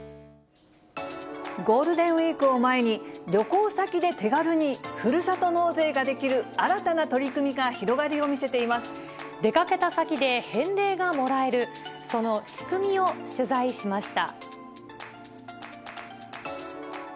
ゴールデンウィークを前に、旅行先で手軽にふるさと納税ができる新たな取り組みが広がりを見出かけた先で返礼がもらえる、その仕組みを取材しました。